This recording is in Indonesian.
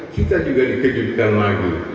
kita juga dikejutkan lagi